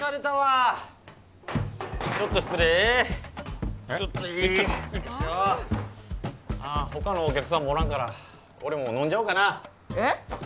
えっちょっとああ他のお客さんもおらんから俺も飲んじゃおうかなえっ？